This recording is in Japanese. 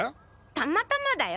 たまたまだよ。